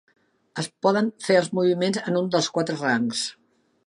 Es poden fer els moviments en un dels quatre rangs.